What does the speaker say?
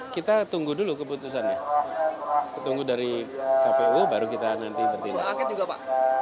kita tunggu dulu keputusan ya kita tunggu dari kpu baru kita nanti bertindak